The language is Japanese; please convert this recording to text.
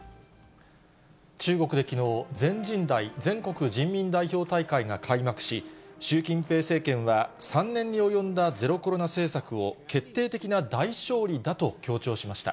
中国できのう、全人代・全国人民代表大会が開幕し、習近平政権は、３年に及んだゼロコロナ政策を決定的な大勝利だと強調しました。